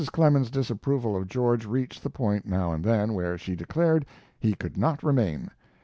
Clemens's disapproval of George reached the point, now and then, where she declared he could not remain.